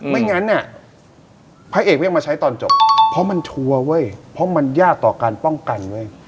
ไม่งั้นอ่ะพระเอกก็ยังมาใช้ตอนจบเพราะมันชัวร์เว้ยเพราะมันยากต่อการป้องกันเว้ย